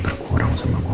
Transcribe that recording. berkurang sama gue